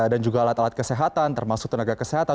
dan juga alat alat kesehatan termasuk tenaga kesehatan